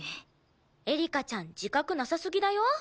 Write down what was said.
エリカちゃん自覚なさすぎだよ。